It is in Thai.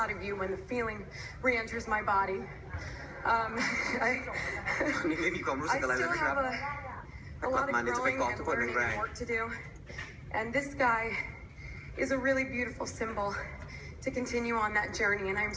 แต่กลับมาเนี่ยจะไปกรอบทุกคนหนึ่งแรก